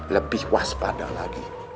lebih waspada lagi